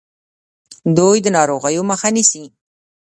دوی د ناروغیو مخه نیسي.